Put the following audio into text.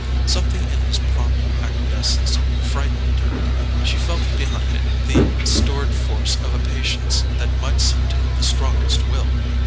Something in his prompt acquiescence frightened her; she felt behind it the stored force of a patience that might subdue the strongest will.